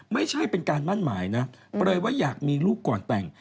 ไม่ใช่เป็นการมั่นหมายนะเปลยว่าอยากมีลูกก่อนแต่ง